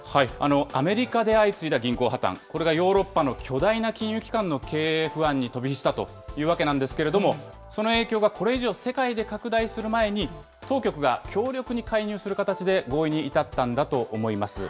アメリカで相次いだ銀行破綻、これがヨーロッパの巨大な金融機関の経営不安に飛び火したというわけなんですけれども、その影響がこれ以上世界で拡大する前に、当局が強力に介入する形で合意に至ったんだと思います。